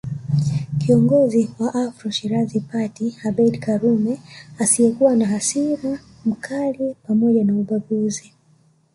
Kiongozi wa Afro Shirazi Party Abeid karume asiyekuwa na hasira mkali pzmoja na ubaguzi